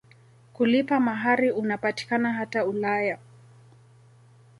Kulipa mahari unapatikana hata Ulaya.